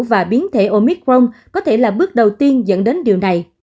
và biến thể omicron có thể là bước đầu tiên dẫn đến điều này